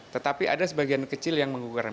tetapi ada sebagian kecil yang menggugurkan